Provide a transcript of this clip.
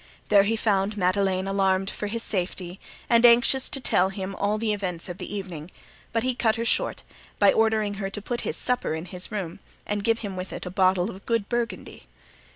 There he found Madeleine alarmed for his safety and anxious to tell him all the events of the evening, but he cut her short by ordering her to put his supper in his room and give him with it a bottle of good Burgundy.